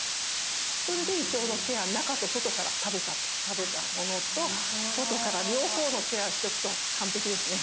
それで胃腸のケア中と外から食べたものと外から両方のケアしとくと完璧ですね。